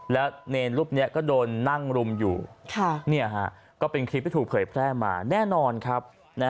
แล้วเนรรูปนี้ก็โดนนั่งรุมอยู่ก็เป็นคลิปที่ถูกเผยแพร่มาแน่นอนครับ